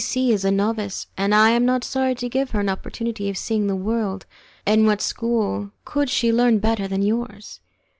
C C is a novice, and I am not sorry to give her an opportunity of seeing the world. In what school could she learn better than yours?